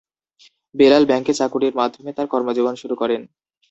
বেলাল ব্যাংকে চাকুরীর মাধ্যমে তার কর্মজীবন শুরু করেন।